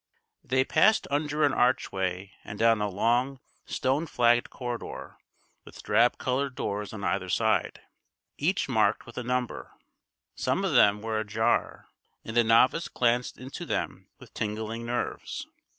They passed under an archway and down a long, stone flagged corridor, with drab coloured doors on either side, each marked with a number. Some of them were ajar, and the novice glanced into them with tingling nerves.